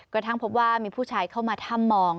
กระทั่งพบว่ามีผู้ชายเข้ามาถ้ำมอง